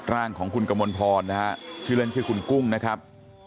ร่างของคุณกมลพรนะฮะชื่อเล่นชื่อคุณกุ้งนะครับ